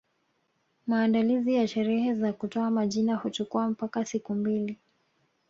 Maandalizi ya sherehe za kutoa majina huchukua mpaka siku mbili